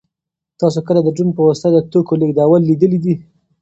تاسو کله د ډرون په واسطه د توکو لېږدول لیدلي دي؟